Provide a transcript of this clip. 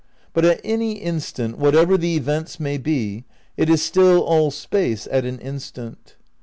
But at any instant, whatever the events may be, it is still all Space at an instant.